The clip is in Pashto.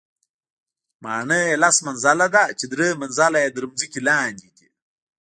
ماڼۍ یې لس منزله ده، چې درې منزله یې تر ځمکې لاندې دي.